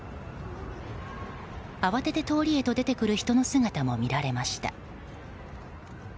慌てて通りへと出てくる人の姿も見られました。